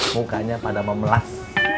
mukanya pada memelas